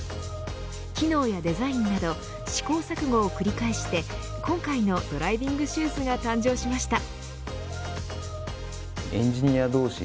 機能やデザインなど試行錯誤を繰り返して今回のドライビングシューズが誕生しました。